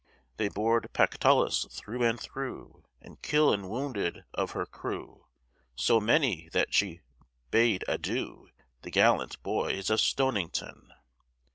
They bored Pactolus through and through, And kill'd and wounded of her crew So many, that she bade adieu T' the gallant boys of Stonington.